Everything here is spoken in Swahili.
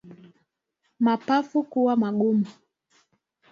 Mapafu kuwa magumu